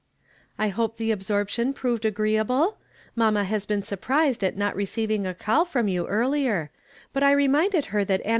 "I hope the absorption proved agreeable? Mamma has been sur])rised at not receiving a call from you earlier; but I reminded her that Auni "I WILL DKCLAHK THY NAME.'